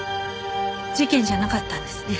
事件じゃなかったんですね。